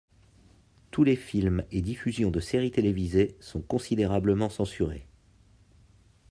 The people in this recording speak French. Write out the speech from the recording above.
Tous les films et diffusions de séries télévisées sont considérablement censurés.